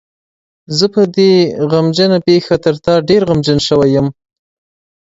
زه په دې غمجنه پېښه تر تا ډېر غمجن شوی یم.